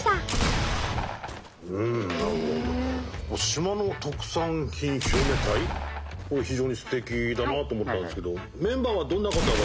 島の特産品拡め隊これ非常にすてきだなと思ったんですけど。